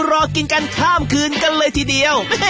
รอกินกันข้ามคืนกันเลยทีเดียว